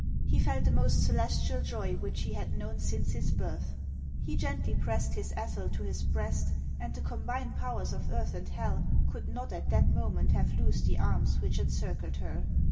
He felt the most celestial joy which he had known since his birth. He gently pressed his Ethel to his breast, and the combined powers of earth and hell could not at that moment have loosed the arms which encircled her.